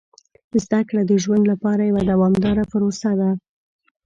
زده کړه د ژوند لپاره یوه دوامداره پروسه ده.